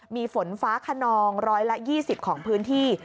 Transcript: มีฝนฟ้าขนอง๑๒๐ของพื้นที่